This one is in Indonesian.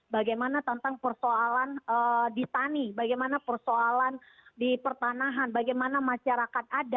bagaimana tentang persoalan di tani bagaimana persoalan di pertanahan bagaimana masyarakat ada